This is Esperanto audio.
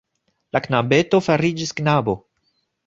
La knabeto fariĝis knabo...